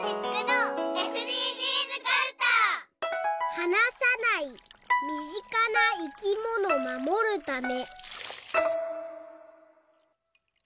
「はなさないみぢかないきものまもるため」